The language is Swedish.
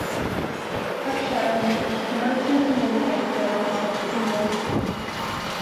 Ack kära ni, ni har det tusen gånger bättre än Asiens kvinnor!